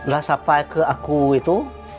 lah sampai ke aku itu